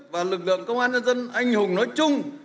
và lực lượng công an nhân dân anh hùng nói chung